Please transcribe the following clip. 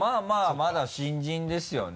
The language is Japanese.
まだ新人ですよね。